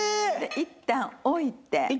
いったん置いて。